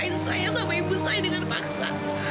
in saya sama ibu saya dengan paksa